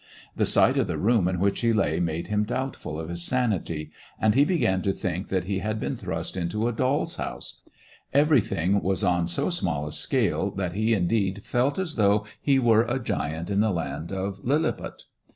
The sight of the room in which he lay made him doubtful of his sanity, and he began to think that he had been thrust into a doll's house ; everything was on so small a scale that he indeed felt as though he were a giant in the land of Lilliput.